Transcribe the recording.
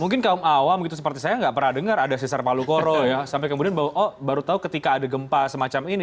mungkin kaum awam gitu seperti saya nggak pernah dengar ada sesar palu koro ya sampai kemudian oh baru tahu ketika ada gempa semacam ini